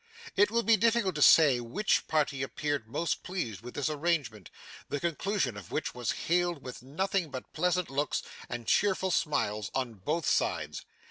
It would be difficult to say which party appeared most pleased with this arrangement, the conclusion of which was hailed with nothing but pleasant looks and cheerful smiles on both sides.